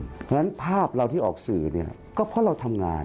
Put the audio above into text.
เพราะฉะนั้นภาพเราที่ออกสื่อเนี่ยก็เพราะเราทำงาน